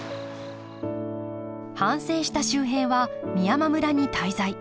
反省した秀平は美山村に滞在。